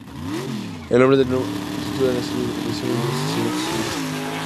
El nombre del nuevo instituto era Siervas de la Pasión de Nuestro Señor Jesucristo.